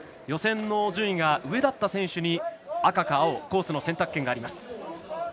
予選の順位が上だった選手に赤か青コースの選択権があります。